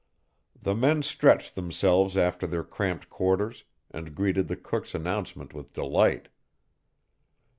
The men stretched themselves after their cramped quarters, and greeted the cook's announcement with delight.